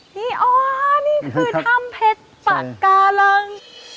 นี่อ๋อนี่คือถ้ำเพชรปากกาลัง